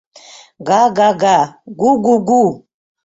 — Га-га-га, гу-гу-гу!